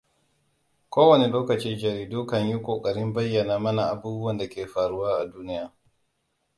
Kowane lokaci jaridu kan yi ƙoƙarin bayyana mana abubuwan da ke faruwa a duniya.